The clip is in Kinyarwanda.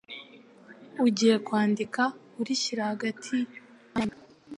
ugiye kwandika urishyira hagati yayndi